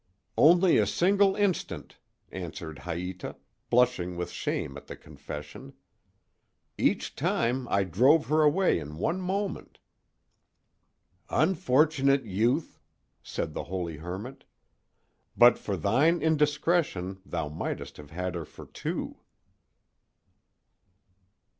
"Only a single instant," answered Haïta, blushing with shame at the confession. "Each time I drove her away in one moment." "Unfortunate youth!" said the holy hermit, "but for thine indiscretion thou mightst have had her for two."